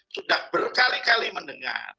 sudah berkali kali mendengar